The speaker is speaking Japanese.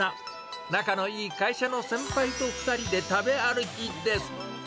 仲のいい会社の先輩と２人で食べ歩きです。